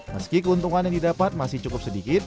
meski keuntungan yang didapat masih cukup sedikit